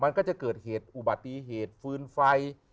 มันก็จะเกิดเหตุอุบัติเหตุฟืนไฟ